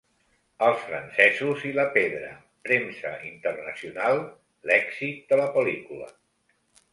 Els francesos i la pedra premsa internacional l'èxit de la pel·lícula.